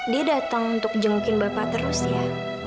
dia datang untuk jengukin bapak terus ya